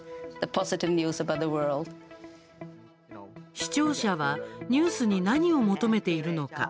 視聴者はニュースに何を求めているのか。